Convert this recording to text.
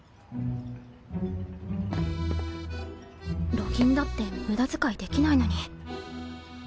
路銀だって無駄遣いできないのに